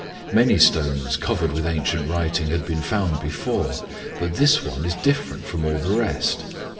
Many stones covered with ancient writing had been found before, but this one is different from all the rest.